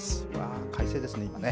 快晴ですね、今ね。